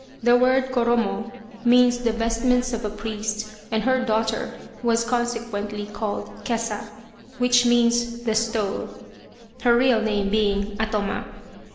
The word " Koro mo " means the vestments of a priest, and her daughter was consequently called " Kesa," which means the " stole," her real name being Atoma.